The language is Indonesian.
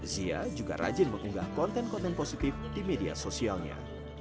zia juga rajin mengunggah konten konten positif di media sosialnya